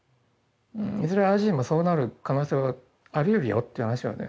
いずれＩ．Ｇもそうなる可能性はありえるよっていう話はね